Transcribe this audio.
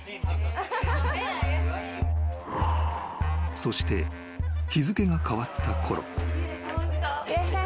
［そして日付が変わったころ］